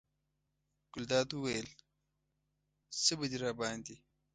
ګلداد وویل: څه به دې راباندې.